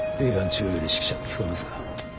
中央より指揮車聞こえますか？